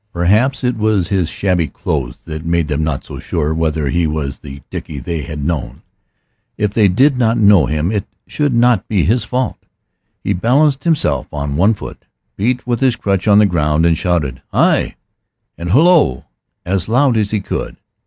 Perhaps it was his shabby clothes that made them not so sure whether he was the Dickie they had known. If they did not know him it should not be his fault. He balanced himself on one foot, beat with his crutch on the ground, and shouted, "Hi!" and "Hullo!" as loud as he could.